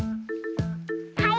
はい！